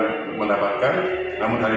namun hari ini akan kami melaporkan